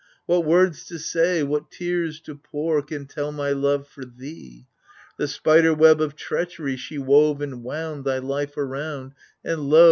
What words to say, what tears to pour Can tell my love for thee ? The spider web of treachery She wove and wound, thy life around, And lo